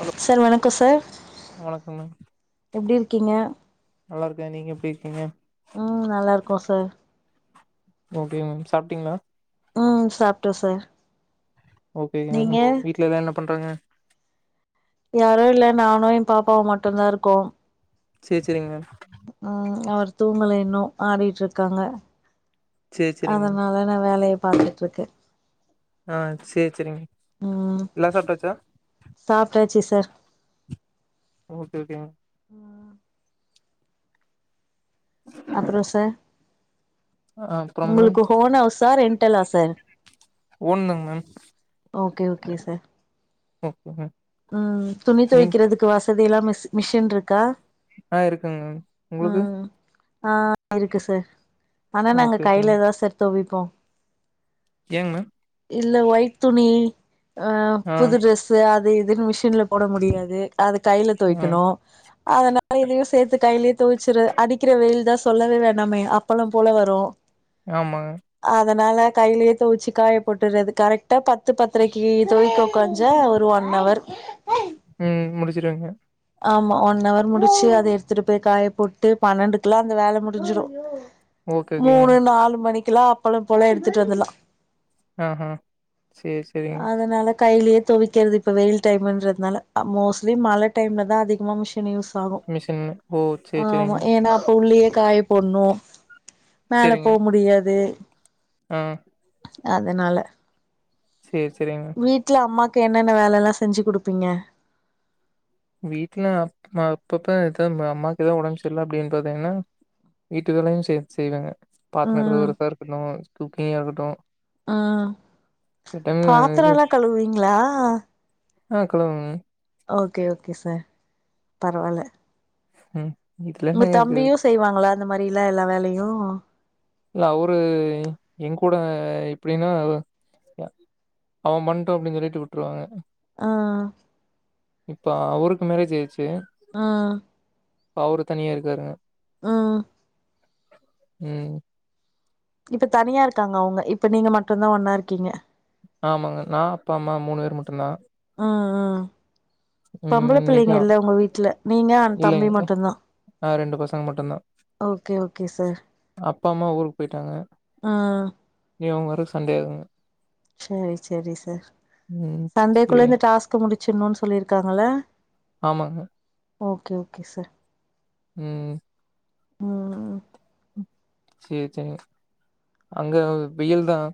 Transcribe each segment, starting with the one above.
Hello sir வணக்கோ sir வணக்கம் ma'am எப்டி இருக்கீங்க நல்லா இருக்கே நீங்க எப்டிருக்கீங்க ம் நல்லா இருக்கோ சார் ஓகே மேம் சாப்பிட்டீங்ளா ம் சாப்டோ சார் ஓகேங்க நீங்க வீட்டுலதா என்னப் பண்றங்க யாரு இல்ல நானு எ பாப்பாவு மட்டுந்தா இருக்கோ செரி செரிங்க ம் அவர் தூங்கல இன்னு ஆடிட்டுருக்காங்க சேரி சேரிங்க மேம் அதனால நா வேலய பாத்துட்டுருக்கே ஆ செரி செரிங்க ம் சாப்டாச்சு [unintelligible] ஓ கே ஓ கேங் அப்றோ சார் ஆ அப்புறம் மேம் உங்களுக்கு ஓன் ஹௌசா ரெண்டலா சார் ஓன்தாங்க ma'am okay okay sir okay ma'am ம் துணி நீங் தோய்க்கிறதுக்கு வசதி எல்லா மிஷ் மிஷின்ட்ருக்கா ஆ இருக்குங்க மேம் உங்ளுக்கு ஆ இருக்கு சார் ஆனா நாங்க ஓகே கையில தா சார் தொவைப் போ ஏங் மேம் இல்ல ஒயிட் துணி அ ஆ புது டெர்ஸ்சு அ [unintelligible] மிஷின்ல போட முடியாது அது கைல ஆ தோய்க்கணு அதனால இதையு சேத்து கைலே தொவச்சுருவே அடிக்கிற வெயில் தா சொல்லவே வேண்டாமே அப்பலோ போல வரு ஆமா அதனால கைலிய தோச்சு காய போட்டுறது கரெக்டா பத்து பத்ரைக்கு தோய்க்க உக்காஞ்ச ஒரு ஒன் அவர் [unintelligible] ங்க ஆமா ஒன் ஹவர் முடிச்சு அத எடுத்துட்டு போய் காய போட்டு பன்னெண்டுக்குலா அந்த வேல முடிஞ்சிடு ஓகே ஓகேங்க மூணு மேம் நாலு மணிக் லா அப்பளம் போலா எடுத்துட் வந்துலா அ அ சேரி சேரிங்க கையாலியே துவைக்கிறது இப்ப வெயில் டைம்ன்றதுனால அ மோஸ்ட்லி மல டைம்ல தா அதிகமா மிஷின் யூஸ் ஆகு மிஷின் ஓ சேரி ஆமா சேரிங்க ஏன்னா அப்ப உள்ளியே காய போட்னோ மேல போ முடியாது ஹ அதனால சேரிங்க வீட்ல அம்மா என்னென்ன வேலைலாம் செஞ்சு குடுப்பீங்க வீட்ல அ அப்பப்ப எத அம்மாக்கு ஏதா உடம்பு சரில அப்டின்னு பாத்தீங்கன்னா வீட்டுவேலையும் சேத்து செய்வேங்க பாத்திரம் கழுவுரதா இருக்கணும் குக்கிங்கா இருக்கட்டும் தோ அஹ் பாத்திரல்லாம் கழுவீங்களா ஆஹ் கழுவுவங்க ஓகே ஓகே சார் பரவால்ல உம் உங்க தம்பியும் செய்வாங்களா அந்த மாதிரிலா எல்லா வேலயும் இல்ல அவரு என் கூட இப்டின்னா அவன் பண்ட்டு அப்டின்னு சொல்லிட்டு விட்ருவாங்க ஆஹ் இப்ப அவருக்கு மேரேஜ் ஆயிடுச்சு ஆஹ் அவரு தனியா இருக்காருங்க ம் உம் இப்ப தனியா இருக்காங்க அவங்க இப்ப நீங்க மட்டும்தான் ஒன்னா இருக்கீங்க ஆமாங்க நான் அப்பா அம்மா மூணு பேர் மட்டும்தான் ஆ ஹ ம் பொம்பள பிள்ளைங்க இன்னைக்கு இல்ல உங்க வீட்ல நீங்க அ தம்பி இல்லைங்க மட்டும் தான் ஆ ரெண்டு பசங்க மட்டுந்தா ஓகே ஓகே சார் அப்பா அம்மா ஊருக் போயிட்டாங்க ஆஹ் நீ அவங்க வர சண்டே ஆகு சரி சரி சார் ம் சண்டேக்குள்ள சேரிங்க இந்த டாஸ்க் முடி [unintelligible] சொல்லிருக்காங்கள ஆமாங்க ஓகே ஓகே சார் உம் உம் சரி சர்ங்க அங்க வெயில் தான்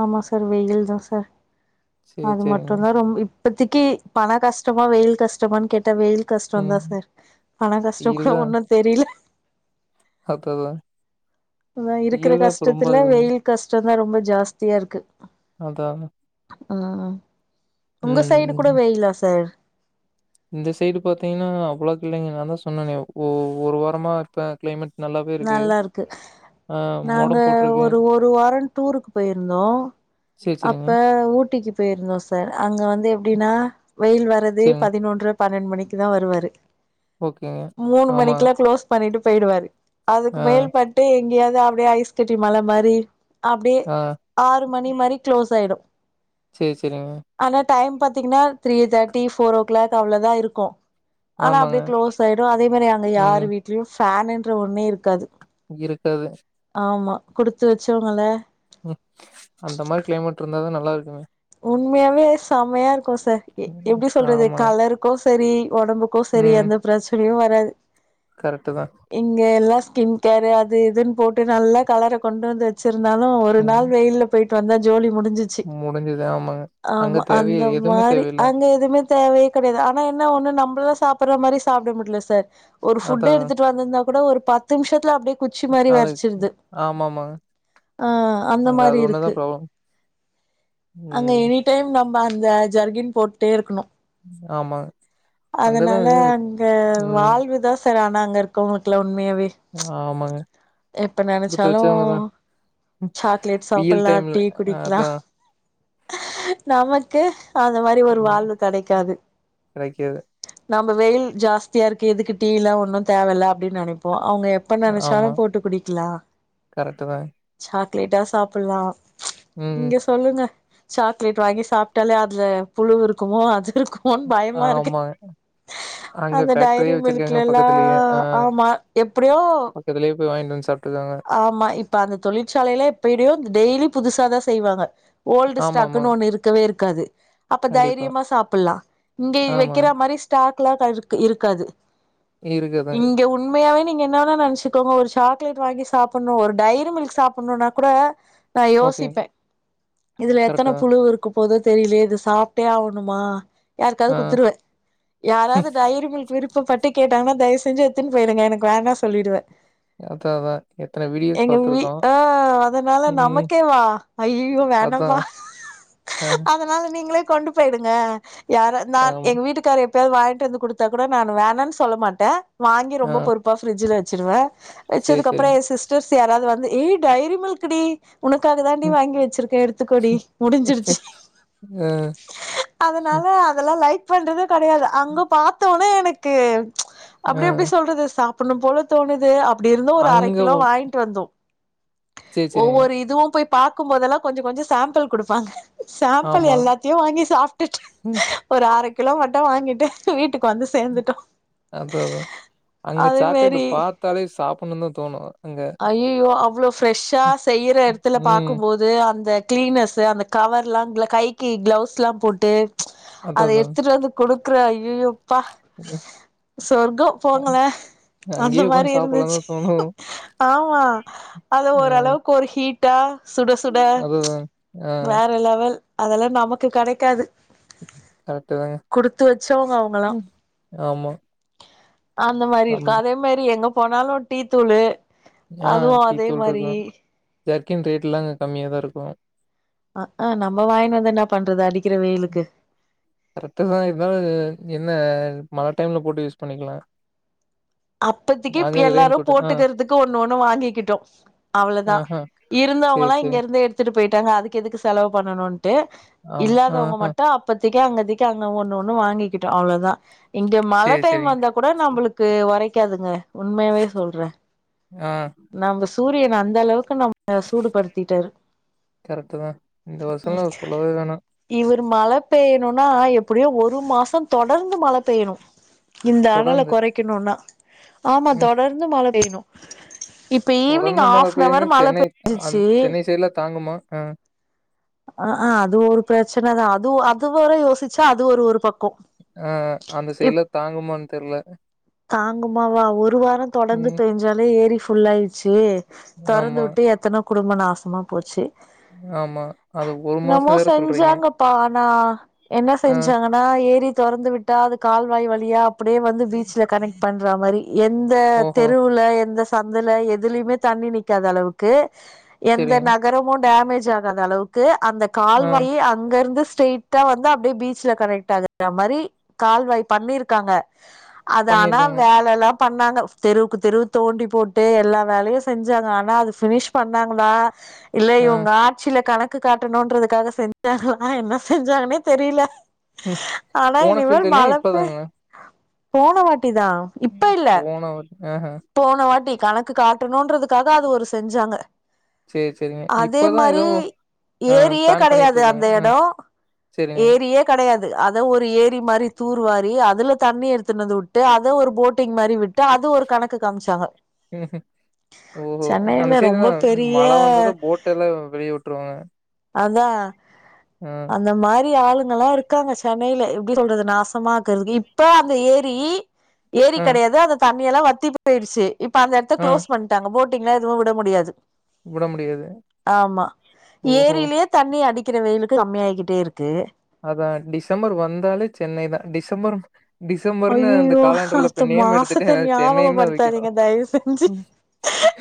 ஆமா சார் வெயில் தான் சார் சரி, அது சரிங்க. மட்டும் தான் ரொம்ப இப்பத்தக்கி பண கஷ்டமா வெயில் கஷ்டமானு கேட்ட வெயில் கஷ்டம் ம். தான் சார் பண கஷ்டம் வெயில் கூட ஒன்னு தெரியல பத்தாதான் அதான் இருக்கிற கஷ்டத்துல வெயில் கஷ்ட அதான் ரொம்ப ஜாஸ்தியா இருக்கு அத அத ஆஹ உங்க சைடு கூட வெயிலா சார் இந்த சைடு பாத்தீங்கன்னா அவ்வளவு கிள்ளைங்க நா தான் சொன்னே ஒரு வாரமா இப்ப கிளைமேட் நல்லா இருக்கு ஆ நாங்க மோடம் போட்டிருக்கு. ஒரு ஒரு வாரம் டூருக்கு போயிருந்தோம் சரி, சரிங்க. அப்ப ஊட்டிக்கு போயிருந்தோம் சார் அங்க வந்து எப்படின்னா வெயில் வரது சரிங்க. பதினொன்ற பன்னெண்டு மணிக்கு தா வருவாரு ஓகேங்க. மூணு ஆமா. மணிக்குலாம் க்ளோஸ் பண்ணிட்டு போயிடுவாரு அதுக்கு ஆ, மேல் பட்டு எங்கயாவது அப்படியே ஐஸ் கட்டி மழ மாதிரி அப்படியே ஆ. ஆறு மணி மாரி க்ளோஸ் ஆயிடும் சரி சரிங்க டைம் பாரத்தீங்கன்னா three thirty four o'clock அவ்வளோதா இருக்கும் ஆனா ஆமாங்க. அப்படியே க்ளோஸ் ஆயிடும் அதே மாதிரி அங்க யார் ம். வீட்டிலயும் ஃபேன் என்ற ஒன்னு இருக் கது இருக்காது ஆமா குடுத்து வச்சவங்க இல்ல உம் அந்த மாதிரி கிளைமேட் இருந்தா தா நல்லா இருக்குமே உண்மையாவே செமையா இருக் கும் சார் ம். எப்படி சொல்றது ஆமாங்க. கலருக்கு சரி உடம்புக்கும் சரி ம். அந்த பிரச்சனையும் வர வது கரெக்ட்டு தான். இங்க எல்லா ஸ்கின் கேரு அது இதுன்னு போட்டு நல்லா கலர கொண்டு வந்து வந்தாசு இருந்தாலும் ஒரு ம். நாள் வெயில போயிட்டு வந்தா ஜோலி முடிஞ்சிச்சு முடிஞ்சது ஆமாங்க அங்க ஆம்மா தேவையே அந்த எதுவுமே மாரி தேவையில்ல அங்க எதுவுமே தேவைய கிடையாது ஆனா என்ன ஒண்ணு நம்மள சாப்படுற மாதிரி சாப்பிட முடியல சார் ஒரு ஃபுட்ட அதா எடுத்துட்டு வந்திருந்தா கூட ஒரு பத்து நிமிஷத்துல அப்படியே குச்சி மாதிரி அது வரச்சிருது ஆமாமாங்க ஆஹ அந்த அங்க அது மாதிரி ஒண்ணுதா இருக்கு ப்ராப்ளம் அங்க ம் எனி டைம் நா நம் அந்த ஜர்க்கின் போட்டுட்டே இருக்கணு ஆமாங்க அங்கதா அதனால அங்க ம் வாழ்வுதான் ஆன்னா அங்க இருக்கங்களுக்கு உண்மையாவ ஆமாங்க எப்ப குடுத்து நினைச்சாலும் வச்சவங்கதா சாக்லேட் வெயில் சாப்பிடலாம் டைம்ல டீ குடிக்கலா அதா நமக்கு அந்த மாதிரி ஒரு ம் வாழ்வு கிடைக்காது அ கெடைக்காது நம்ம வெயில் ஜாஸ்தியா இருக்கு எதுக்கு டீ எல்லாம் ஒன்னும் தேையில்லை அப்படின்னு நினைப்போம் அவங்க எப்ப ஆமா நினைச்சாலும் போட்டு குடிக்கலாம் கரெக்ட்டு தாங்க லேட்டா சாப்பிடலா ம் இங்க சொல்லுங்க சாக்லேட் வாங்கி சாப்பிட்டாலே அதுல புழு இருக்குமோ அது இருக்கும்ன்னனு பயமா இருக்கு ஆமாங்க அங்க அந்த டைரி ஃபேக்ட்ரியே மில்க்கல வச்சிருக்காங்க எல்லாம் பக்கத்துலயே ஆ ஆம்மா எப்படியோ பக்கத்துலயே வாங்கிட்டு வந்து சாப் ஆம்மா இப்ப அந்த தொழிற்சாையல்ல எப்படியோ டெய்லி புதுசாதான் செய்வாங்க ஓல்டு ஸ்டாக்னு ஆமாமாங்க ஒன்னு இருக்கவே இருக் கது அப்ப கண்டிப்பா தைரியமா சாப்பிடலா இங்க வைக்கிற ஆமாங்க மாதிரி ஸ்டாக் [unintelligible] இரு இருக்காது இருக்குதுங்க இங்க உண்மையாவே நீங்க என்னன நினைச்சக்கோங்க ஒரு சாக்லேட் வாங்கி சாப்பிட்ணும் ஒரு டைரி மில்க் சாப்பிட்ணும்னா கூட நான் ஓகேங்க யோசிப்பேன் இதுல எத்தனை கரெக்ட்டு தா புழு இருக்குமோ போதும் தெரியலேயே இது சாப்பிட்டே ஆகணுமா யாருக்காவது ஆ குத்துருவேன் யாராவது டைரி மில்க் விருப்பப்பட்ட விட்டு கேட்டாங்கன்னா தயவு செஞ்சு எத்துன்ன போயிடுங்க எனக்கு வேண்டானு சொல்லிடுவே அததுது [unintelligible] எங்க வி ஆங் அதனால ம் நமக்கே வா ஐயோ ஐயோ வேணாம்மா அதான். அ அதனால நீங்களே கொண்டு போயிடுங்க யார நான் ஆமா. எங்க வீட்டுக்கார எப்பயாவது வாயிங்கி இருந்து கொடுத்தா கூட நான் வேணான்னு சொல்ல மாட்டேன் வாங்கி ரொம்ப பொறுப்பா ஃபிரிட்ஜூல வெச்சுடுவேன் சேர் சேரிங்க சிஸ்டர்ஸ் யாராது வந்து ஏய் டைரி மில்குடி உனக்காக தாண்டி ம். வாங்கி வச்சிருக்கே எடுத்துகோடி அ முடிஞ்சிருச்சு அதனால ம். அதெல்லா லைட் பண்றது கெடையாது அங்க பாத்த னே எனக்கு ஆ அப்டி எப்டி சொல்றது சா ப்பிடனு போல தோணுது அப் படி இருந்து ஒரு அரை அங்க கிலோ வ வாங்கிட்டு வந்தோ சரி, சரிங்க. ஒவ்வொரு இதுவு போய் பாக்கு போதெல்லா கொஞ்ச கொஞ்சோ சாம்பிள் குடுப்பாங்க சாம்பிள் ஆமா. எல்லாத்தையு வாங்கி சாப்டுட்டு ம். ஒரு அரக் கிலோ மட்டு வாங்கிட்டு வீட்டுக்கு வந்து சேந்துட்டோ அது அதா அங்க அதே சாக்லேட்டு மேரி பாத்தாலே சாப்புட்ணுன் தா தோணு ஐய்யய்யோ அவ்ளோ ஃப்ரெஷா செய்யற எடத்துல ம். பாக்கும்போது அந்த கிளீனஸு அந்த கவர்லா கைக்கு க்ளவ்ஸ்லா போட்டு அத அதான், அதான். எடுத்துட்டு வந்து குடுக் கற ஐயய்யோ ப்பா ம். சொர்க்கோ போங்களே அந்த அங்கேயே மாரி உட்காந்து சாப்பிடலாம் இருந்துச்சு தான் தோணும். ஆமா அது அ ஓரளவுக்கு ஒரு ஹீ ட்டா சுட சுட அதுதான். ஆ வேற லெவல் அதெல்லா நமக்கு கெடைக்காது கரெக்ட்டு தாங்க. குடுத்து வச்சவங்க அவங்கல்லா ம். ஆமா. அந்த மாரி இருக்கு அம் அதே மாரி எங்க போனாலு டீ த்தூளு ஆ அதுவு டீ அதே தூள் மாரி இருக்கும். ஜர்க்கின் ரேட் எல்லா அங்க கம்மியா தா இருக்கு அ ஆஹ் நம்ம வாய்ன்னு வந்து என்ன பண்றது அடி கரெட்டுதா இருந்தாலு என்ன மழ டைம்ல போட்டு யூஸ் பண்ணிக்கலா அப்பதிக்கி எல்லாரும் போட்டுக்கிறதுக்கு ஒண்ணு ஒண்ணு வாங்கிக்கிட்டோம் அவ்ளோதான் ஆஹ. சேரி இருந்தவங்களாம் இங்க சேரி இருந்து எடுத்துட்டு போய்ட்டாங்க அதுக்கு எதுக்கு செலவு பண்ணணும் டு ஆமா இல்லாதவங்க ஆஹா மட்டும் அப்பத் திக்கி அங்கத்திக்கி அங்க ஒண்ணு ஒண்ணு வாங்கிக்கிட்டோம் அவ்ளோதான் இங்க மழ சேரி டைம் சேரி வந்தா கூட நம்மளுக்கு ஒரை கக்காதுங்க உண்மையாவே சொல்றே ஆ நம்ப சூரியன் அந்த அளவுக் நம்ம சூடுபடுத்திட்டாரு கரெக்ட்டு தா இந்த வருஷம்லா சொல்லவே வேணா இவரு மழ பெய்யணும்னா எப்டியும் ஒரு மாசம் தொடர்ந்து மழ பெய்யணும் இந்த அனல தொடர்ந்து கொறைக்கணுமனா ஆமா ம் தொடர்ந்து மழ பெயணும் தொடர்ந்து மழ பெய்யனுன்னா மழ சென்னை அ பெஞ்சிச்சு சென்னை சைட்ல தாங்குமா ஆஹ் அஹ் ஆஹ் அது ஒரு பிரச்சன தான் அது அது வரை யோசிச்சா அது ஒரு ஒரு பக் ஆஹ் அந்த சைட்ல தாங்குமானு தெர்ல தாங்குமாவா ஒரு வாரம் தொடர்ந்து ம் பேஞ்சாலே ஏரி ஃபு புல்லாய்ருச்சு தொறந்து ஆமா விட்டு எத்தன குடும்ப னா நாசமா போச்சு ஆமா அது ஒரு மாசோ என்னமோ வேற சொல்றீங்க செஞ்சாங்கப்பா ஆனா என்ன ஆ செஞ்சாங்கன்னா ஏரி தொறந்து விட்டா அது கால்வாய் வழியா அப்டியே வந்து பீச்ல கனெக்ட் பண்ற மாரி எந்த ஓஹோ தெருவுல எந்த சந்துல எதுலயுமே தண்ணி நிக்காத அளவுக்கு எந்த சேரிங்க நகரமும் டேமேஜ் அஞ்சாத அளவுக்கு அந்த ஆ கால்வாயே அங்கருந்து ஸ்டைட்டா வந்து அப்டியே பீச்சுல கனெக்ட் ஆகுற மாரி கால்வாய் பண்ணிருக்காங்க அது ஆனா பண்ணிருக்காங்க வேலல்லாம் பண்ணாங்க தெருவுக்கு தெருவு தோண்டி போட்டு எல்லா வேலையும் செஞ்சாங்க ஆனா அது பினிஷ் பண்ணாங்களா இல்ல ஆ இவுங்க ஆட்சில கணக்கு கணக்கு காட்டனுன்றதுக்காக செஞ்சாங்க ஆனா என்ன செஞ்சாங்கனே தெரில ம் ஆனா போன இனிமேல் ஃபீல்டுலயா மலப்பு இப்பதாங்களா போனவாட் டிதாம் இப்ப இல்ல போன வ ஆஹா போன வாட்டி கணக்கு காட்டணுன்றதுக்காக அது ஒரு செஞ்சாங்க சேரி சேரிங்க அதே இப்பதா ஏதோ மாரி ஆ ஏரியே பிளான் கெடையாது பண்ணிட்ருக்காங்க அந்த ஆ எடம் சேரிங்க ஏரியே கெடையாது அத ஒரு ஏரி மாரி தூர்வாரி அதுல தண்ணி எடுத்துண்டு வந்து வுட்டு அத ஒரு போட்டிங் மாரி விட்டு அது ஒரு கணக்கு க்கு காமிச்சாங்க ம் ஹும் ஓஹோ அந்த சென்னையில ரொம்ப சைட்ல்லாம் பெரிய மழ வந்ததும் போட்டெல்லாம் வெளிய வுட்டுருவாங்க அதான் அந்த மாரி ஆளுங்கல்லாம் இருக்காங்க சா சென்னைல எப்டி சொல்றது நாசமா ஆக்குறதுக்கு இப்ப அந்த ஏரி ஏரி அ, கடையாது அந்த தண் நீ எல்லாம் வத்தி போய்டுச்சு இப்ப அந்த இடத்த அ க்ளோஸ் பண்ட்டாங்க போட் ட்டிங்ளா எதுவும் விட முடியாது விட முடியாது. ஆமா ஓஹோ! ஏரிலயே தண்ணி அடிக் அடிக்கிற வெயிலுக்கு கம்மி ஆயிட்டே இருக்கு அதான் டிசம்பர் வந்தாலே சென்னை தான் டிசம்பர் டிசம்பர்ன்னு அந்த அய்யய்யோ காலண்டர்ல இப்ப அந்த நேம் எடுத்துட்டு மாசத்த சென்னைன்னு தான் வைக்கணும். ஞாபகப்படுத்தாதீங்க தயவு செஞ்சு ம்.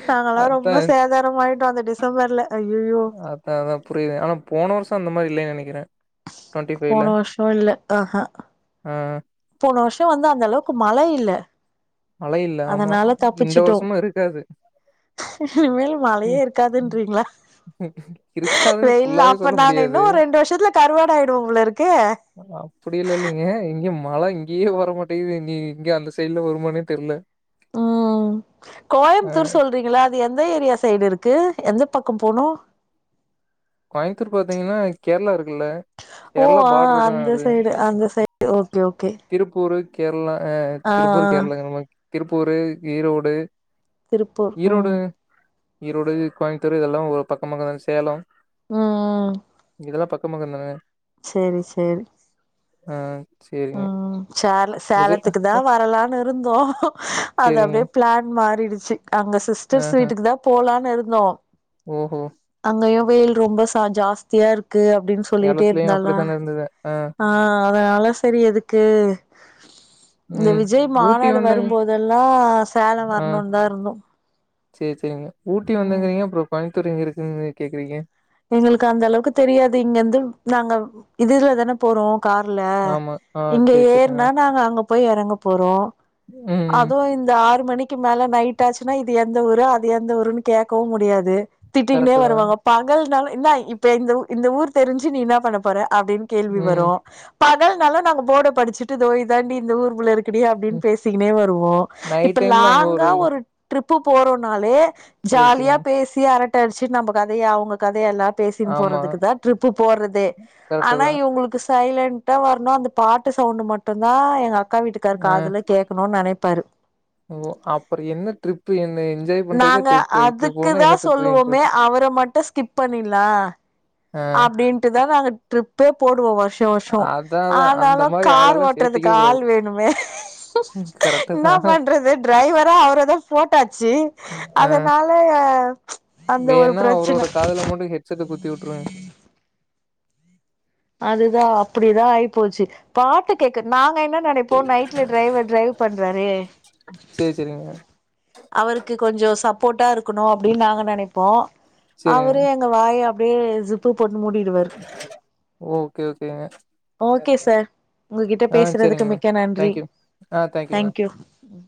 நாங்கல்லாம் ரொம்ப அதான் சேதாரம் ஆய்டோம் அந்த டிசம்பர்ல அய்யோ அதான் அதான் புரியுது ஆனா போன வருஷம் அந்த மாரி இல்லேனு நெனைக் கிறே போன வருஷம் இல்ல ஆஹா ஆ போன வருஷம் வந்து அந்த அளவுக்கு மழை இல்ல மழை இல்ல. ஆமா. அதனால இந்த தப்பிச்சிட்டோம் வருஷமும் இருக்காது. இனிமேல் மழையே ம். இருக்காதுன்றிங்களா இருக்காதுன்னு வெயில்ல ஃபுல்லாவே அப்ப சொல்ல நாங்க முடியாது. இன்னும் ஒரு ரெண்டு வருஷத்துல கருவாடா ஆய்டுவோம் போல இருக்கு மழ இங்கேயே வர மாட்டேது நீ இங்க அந்த சைட்ல வருமானே தெர்ல உம் அ கோயமுத்தூர் சொல்றீங்கள்ள அது எந்த ஏரியா சைடு இருக்கு. எந்த பக்கம் போணும் கோயமுத்தூர் பாத்தீங்கன்னா கேரளா இருக் ஓ ஆஹ் அந்த சைடு அந்த சை [inaudible] திருப்பூரு கேரளா ஆ திருப்பூர் கேரளாங்க நம்ம திருப்பூரு ஈரோடு திருப்பூர் ஈரோடு உம் ஈரோடு கோயம்புத்தூர் இதெல்லா ஒரு பக்க பக்கம்தாங்க சேலம் ம் இதெல்லாம் பக் [unintelligible] செரி செரி ஆஹ் செரிங்க உஹ் சேல சேலத்துக்கு தான் வரலாம்னு இருந்தோம். அது சேரிங்க அப்டியே பிளான் மாறிடுச் அங்க சிஸ்டர்ஸ் ஆஹ வீட்டுக்கு தான் போலாம்னு இரு நோ ஓஹோ நோயோவல் ரொம்ப ச ஜாஸ்தியா இருக்கு. இருக்கு அப்படின்னு சொல்லிட்டே சேலத்துலயு இருந்தாளா அப்படித்தான இருந்தது ஆ ஆஹ் அதனால செரி எதுக்கு இந்த ம் விஜய் ஊட்டி மாநாடு வந்தங்க வரும்போதெல்லாம் சேலம் வரணும்னு தான் இருந்தோம். செர் செரிங்க ஊட்டி வந்துக்றீங்க அப்புறம் கோயம் [unintelligible] இருக்குன்னு கேக்குறீங்க எங்களுக்கு அந்த அளவுக்கு தெரியாது இங்க இருந்து நாங்க இதுல தானே போறோம் கார்ல ஆமா ஆ இங்க சேரி சேரிங்க ஏற்னா நாங்க அங்க போய் எறங்க போறோம். ம் அதுவும் இந்த ஆறு மணிக்கு மேல நைட் ஆச்சுன்னா இது எந்த ஊரு அது எந்த ஊருன்னு கேட்கவும் முடியாது. திட்டிக்கனே கரெக்ட்டு தா வருவாங்க பா எதுனாலும் என்ன இப்ப இந்த இந்த ஊர் தெரிஞ்சு நீ என்ன பண்ண போற. அப்படின்னு கேள்வி ம் வரும் பகல்னால நாங்க போட படிச்சுட்டு இதோ இதாண்டி இந்த ஊர்புள்ள இருக்கு இப்படியா அப்படின்னு ம் பேசிட்டே வருவோம் இப்ப நைட் டைம்ல அங்க லாங்கா ஒரு ட்ரிப் உப்பு போறோம்னாலே சேரி ஜாலியா சேரிங்க பேசி அரட் டிச்சிட்டு நம்ம கதைய அவங்க கதையெல்லாம் பேசின்னு ஆமா போறதுக்கு தான் ட்ரிப்பு போறததே கரெக்ட்டு ஆனா தான். இவங்களுக்கு சைலன்ட் டா வரணு அந்த பாட்டு சவுண்ட் மட்டும் தான் எங்க அக் அக்கா வீட்டுக்காரு ஆ காதுல கேட்கணும் நெனப் பாரு ஓ அப்புற என்ன ட்ரிப் என்ன என்ஜாய் பண்றதே நாங்க ட்ரிப்பு. இப்டி போனா அதுக்குதா என்னத்துக்கு போய் சொல்லுவோமே ட்ரிப் அவர மட்டு ஸ்கிப் பண்ணிலா ஆ அப்படின்ட்டுதா நாங்க ட்ரிப்பே போடுவோ வா வருஷஷம் அதான் அதான் அந்த ஆனாலு மாரி கார் ஆளெல்லாம் ஓட்டுறதுக்கு சேத்துக்கவே கூடாது. ஆள் வேணுமே கரெக்ட்டு என்னா தான். பண்றது டிரைவரா அவரதா போட்டாச்சு ஆ அதனால அந்த ஒரு வேணா அவரோட பிரச்சன காதுல மட்டு ஹெச்சட்டு குத்தி விடு ரூம் அதுதா அப்படிதா ஆயிப்போச்சு பாட்டு கேட்கன் நா என்னா நெனப்போ நைட்டில டிரைவர் டிரைவ் பண்றாரே சேரி சேரிங்க. அவருக்கு கொஞ்ஜோ சப் போட்டா இருக்கணு அப்படின்னு நாங்க நெனைப்போ சேரிங்க. அவரு அங்க வாயாப் அப்டியே சிப்புப் பொண்ணு மூடிடுவாரு ஓகே ஓகேங்க ஓகே சார் உங்ககிட்ட ஆ பேசறதுக்கு சேரிங்க மேம். மிக்க நன்றி தேங்க்யூ. ஆ தேங்க்யூ மேம். தங்க்யூ ம்